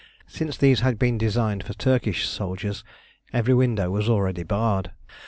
Since these had been designed for Turkish soldiers, every window was already barred.